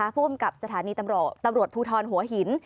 ผู้กำกับสถานีตำรวจภูทรหัวหิน